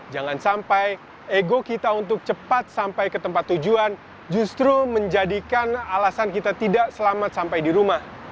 jangan sampai ego kita untuk cepat sampai ke tempat tujuan justru menjadikan alasan kita tidak selamat sampai di rumah